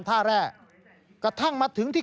แร่กระทั่งมาถึงที่